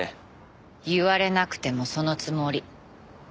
言われなくてもそのつもり。